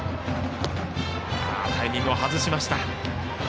タイミングを外しました。